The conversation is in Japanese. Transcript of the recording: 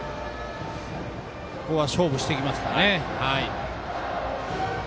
ここは勝負してきますかね。